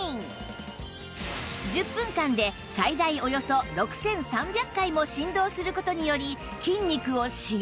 １０分間で最大およそ６３００回も振動する事により筋肉を刺激